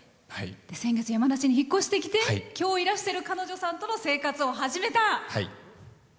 先月山梨に引っ越してきて今日、いらしてる彼女さんとの生活を始めた。